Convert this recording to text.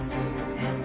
えっ！？